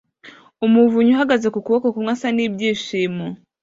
Umuvunyi uhagaze ku kuboko kumwe asa n'ibyishimo